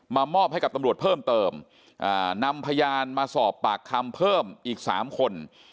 มอบให้กับตำรวจเพิ่มเติมนำพยานมาสอบปากคำเพิ่มอีก๓คน